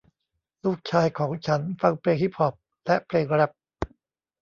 ลูกชายของฉันฟังเพลงฮิพฮอพและเพลงแรพ